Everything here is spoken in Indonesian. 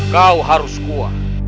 kau harus kuat